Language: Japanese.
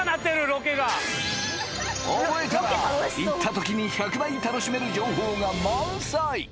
ロケがオボエたら行った時に１００倍楽しめる情報が満載